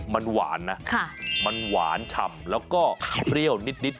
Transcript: มันหวานนะมันหวานฉ่ำแล้วก็เปรี้ยวนิด